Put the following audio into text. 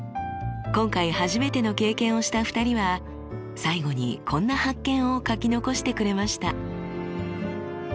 今回初めての経験をした２人は最後にこんな発見を書き残してくれました。